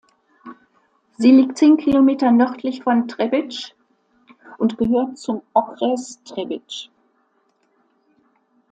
Sie liegt zehn Kilometer nördlich von Třebíč und gehört zum Okres Třebíč.